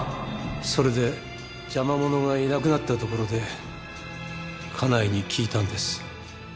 それで邪魔者がいなくなったところで家内に聞いたんです。